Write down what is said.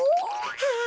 はあ。